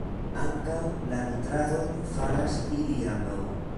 Ankaŭ la nutradon faras ili ambaŭ.